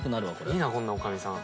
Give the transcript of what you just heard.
いいなこんな女将さん。